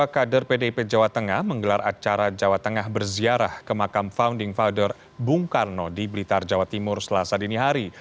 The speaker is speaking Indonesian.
dua puluh kader pdip jawa tengah menggelar acara jawa tengah berziarah ke makam founding father bung karno di blitar jawa timur selasa dini hari